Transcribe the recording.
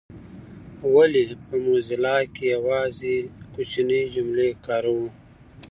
ولي په موزیلا کي یوازي کوچنۍ جملې کاروو؟